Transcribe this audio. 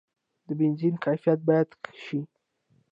د بنزین کیفیت باید ښه شي.